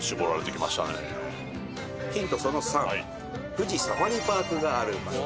富士サファリパークがある場所。